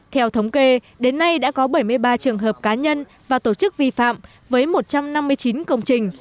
theo thống kê đến nay đã có bảy mươi ba trường hợp cá nhân và tổ chức vi phạm với một trăm năm mươi chín công trình